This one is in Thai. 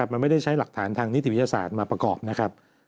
มันไม่ได้ใช้หลักฐานทางนิติวิทยาศาสตร์มาประกอบนะครับ